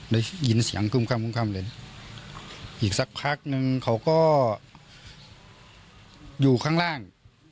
ได้ยินเสียงตุ้มค่ำเลยอีกสักพักนึงเขาก็อยู่ข้างล่าง